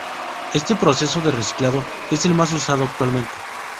Este proceso de reciclado es el más usado actualmente.